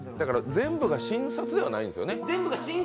全部が新札ではないんですよね。